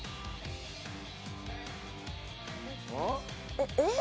えっえっ？